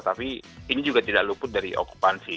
tapi ini juga tidak luput dari okupansi